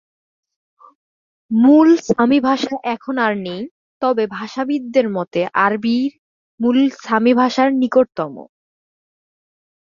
মূল সামি ভাষা এখন আর নেই, তবে ভাষাবিদদের মতে, আরবি মূল সামি ভাষার নিকটতম।